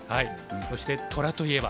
そして「虎」といえば？